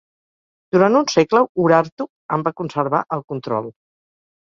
Durant un segle Urartu en va conservar el control.